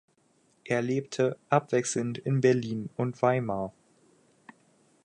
Er lebte abwechselnd in Berlin und Weimar.